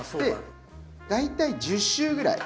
大体１０周ぐらい。